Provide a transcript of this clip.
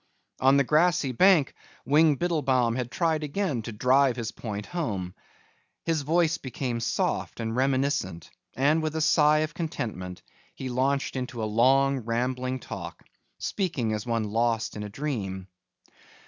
On the grassy bank Wing Biddlebaum had tried again to drive his point home. His voice became soft and reminiscent, and with a sigh of contentment he launched into a long rambling talk, speaking as one lost in a dream.